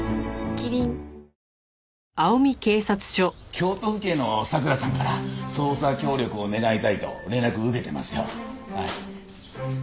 京都府警の佐倉さんから捜査協力を願いたいと連絡受けてますよ。